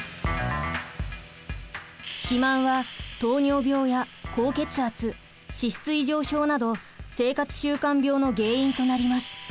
肥満は糖尿病や高血圧脂質異常症など生活習慣病の原因となります。